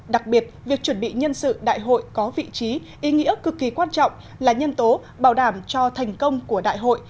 đặc biệt việc chuẩn bị nhân sự đại hội có vị trí ý nghĩa cực kỳ quan trọng là nhân tố bảo đảm cho thành công của đại hội